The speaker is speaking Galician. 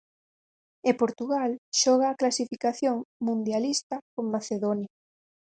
E Portugal xoga a clasificación mundialista con Macedonia.